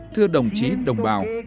thưa đồng chí đồng bào